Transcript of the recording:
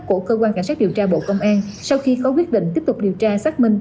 của cơ quan cảnh sát điều tra bộ công an sau khi có quyết định tiếp tục điều tra xác minh